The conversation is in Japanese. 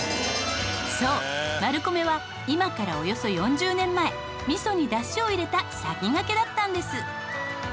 そうマルコメは今からおよそ４０年前みそにだしを入れた先駆けだったんです。